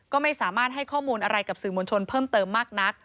ก็ไม่สามารถให้ข้อมูลอะไรกับสื่อมวลชนเพิ่มเติมมากนัก